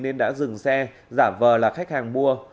nên đã dừng xe giả vờ là khách hàng mua